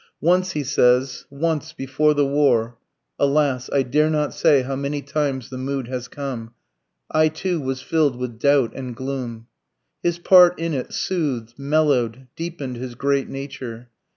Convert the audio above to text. Once, he says, "Once, before the war (alas! I dare not say how many times the mood has come!), I too, was fill'd with doubt and gloom." His part in it soothed, mellowed, deepened his great nature.